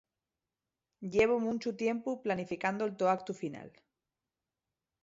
Llevo munchu tiempu planificando'l to actu final.